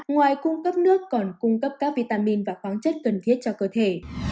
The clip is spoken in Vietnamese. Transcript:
ngoài cung cấp nước còn cung cấp các vitamin và khoáng chất cần thiết cho cơ thể